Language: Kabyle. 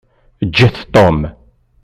Ǧǧet Tom.